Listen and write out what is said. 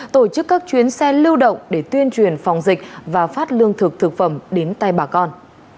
tổ chức các chuyến xe lưu động để tuyên truyền phòng dịch và phát lương thực thực phẩm đến tay bà con